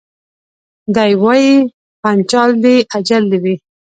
دی وايي پنچال دي اجل دي وي